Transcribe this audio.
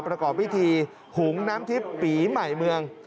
ประกอบพิธีหุงน้ำทิพย์ปีใหม่เมือง